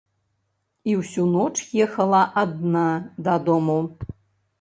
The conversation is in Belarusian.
І ўсю ноч ехала адна дадому.